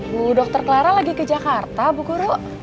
bu dokter clara lagi ke jakarta bu guru